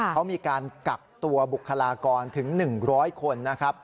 เขามีการกักตัวบุคลากรถึง๑๐๐คนนะครับ